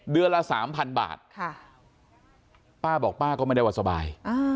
ละสามพันบาทป้าบอกป้าก็ไม่ได้ว่าสบาย